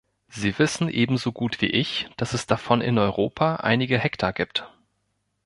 Sie wissen ebenso gut wie ich, dass es davon in Europa einige Hektar gibt.